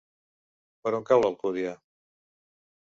Per on cau l'Alcúdia?